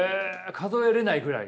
数えれないぐらい？